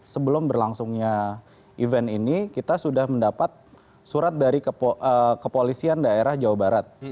sebelum berlangsungnya event ini kita sudah mendapat surat dari kepolisian daerah jawa barat